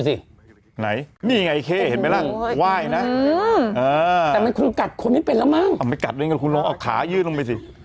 ฉันมีแรงแล้ว